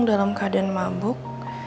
dalam keadaan mabuk